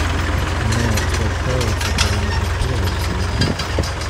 Nē, es tev teicu, ka viņa ir pievilcīga.